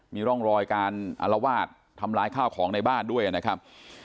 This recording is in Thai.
มีร่องรอยการอลวาดทำร้ายข้าวของในบ้านด้วยนะครับ